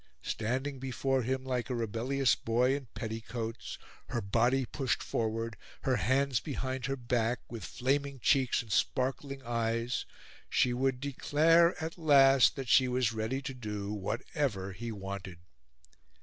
Standing before him like a rebellious boy in petticoats, her body pushed forward, her hands behind her back, with flaming cheeks and sparkling eyes, she would declare at last that she was ready to do whatever he wanted.